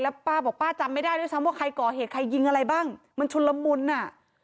ป้าบอกป้าจำไม่ได้ด้วยซ้ำว่าใครก่อเหตุใครยิงอะไรบ้างมันชุนละมุนอ่ะ